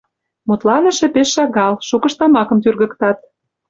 Мутланыше пеш шагал, шукышт тамакым тӱргыктат.